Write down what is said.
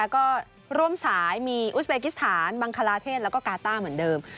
ก็ร่วมสายมีอุสเบกิสถานบังคลาเทศแล้วก็กาต้าเหมือนเดิม